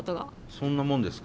そんなもんですか？